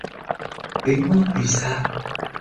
Biến mất vì sao